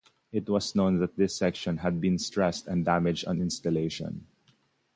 It was known that this section had been stressed and damaged on installation.